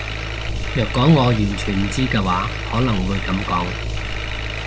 若果我完全唔知嘅話可能會噉講